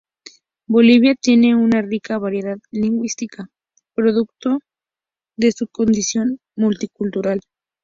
Bolivia tiene una rica variedad lingüística producto de su condición multicultural.